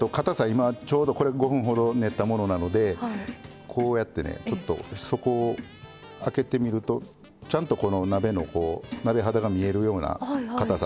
今ちょうどこれ５分ほど練ったものなのでこうやってねちょっと底を開けてみるとちゃんとこのお鍋の鍋肌が見えるようなかたさ。